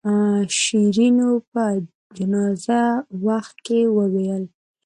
شیرینو په جنازې وخت کې وویل.